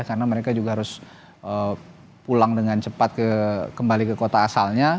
karena mereka juga harus pulang dengan cepat kembali ke kota asalnya